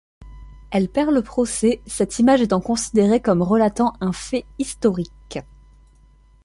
Elle perd le procès, cette image étant considérée comme relatant un fait historique.